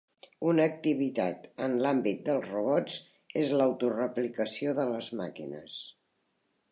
Una activitat en l'àmbit dels robots és l'autoreplicació de les màquines.